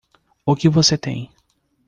O que você tem?